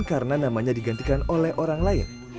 karena namanya digantikan oleh orang lain